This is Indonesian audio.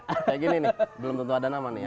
kayak gini nih belum tentu ada nama nih